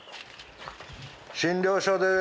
診療所です。